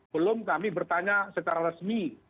belum kami bertanya secara resmi